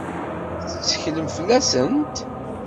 Tetteklem fell-asent?